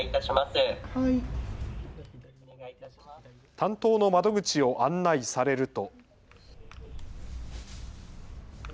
担当の窓口を案内されると。